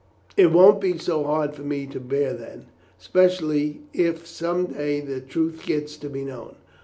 It won't be so hard for me to bear then, especially if some day the truth gets to be known.